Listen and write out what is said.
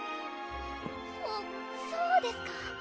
そそうですか？